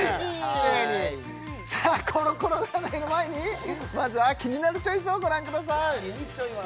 きれいにさあコロコロ占いの前にまずは「キニナルチョイス」をご覧ください